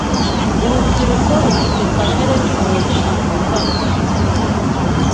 Urubyiruko rufite kamere umuntu avukana